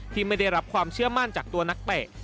ที่ไม่ได้รับความเชื่อมั่นจากตัวนักเตะ